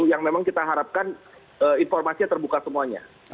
yang memang kita harapkan informasinya terbuka semuanya